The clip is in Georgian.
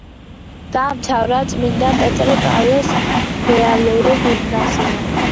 დაამთავრა წმინდა პეტრე-პავლეს რეალური გიმნაზია.